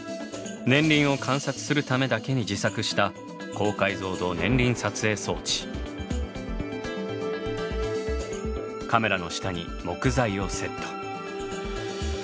年輪を観察するためだけに自作したカメラの下に木材をセット。